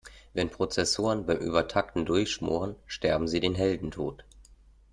Wenn Prozessoren beim Übertakten durchschmoren, sterben sie den Heldentod.